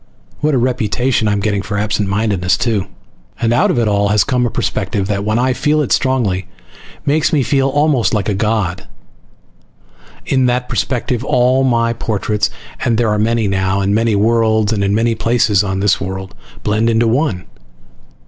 (What a reputation I'm getting for absent mindedness, too!) And out of it all has come a perspective that, when I feel it strongly, makes me feel almost like a god. In that perspective all my portraits (and there are many now, on many worlds and in many places on this world!) blend into one.